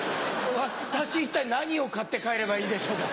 私一体何を買って帰ればいいんでしょうか。